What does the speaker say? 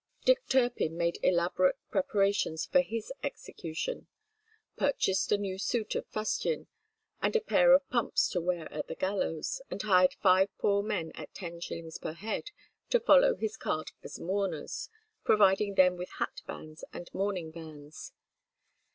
Dick Turpin made elaborate preparations for his execution; purchased a new suit of fustian and a pair of pumps to wear at the gallows, and hired five poor men at ten shillings per head, to follow his cart as mourners, providing them with hat bands and mourning bands.